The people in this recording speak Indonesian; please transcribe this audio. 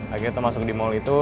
akhirnya kita masuk di mall itu